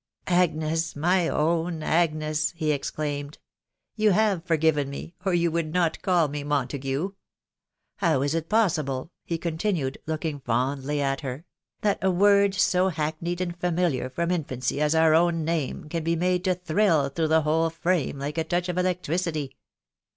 " Agnes ! my own Agnes !" he exclaimed, " you have for given me, or you would not call me Montague !•••• How is it possible/' he continued, looking fondly at her, " that a word so hackneyed and familiar from infancy as our own name can be made to thrill through the whole frame like a touch of electricity?"